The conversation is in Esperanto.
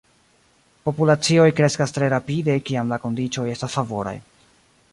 Populacioj kreskas tre rapide kiam la kondiĉoj estas favoraj.